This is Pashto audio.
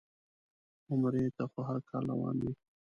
عمرې ته خو هر کال روان وي.